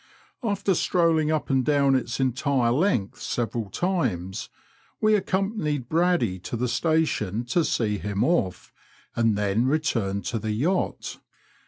After strolling up and down its entire length several times, we accompanied Braddy to the Station to see him off, and then returned to the yacht.